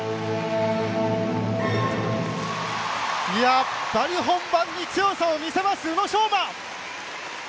やっぱり本番に強さを見せます宇野昌磨！